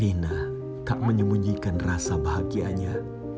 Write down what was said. ina tak menyembunyikan rasa bahagianya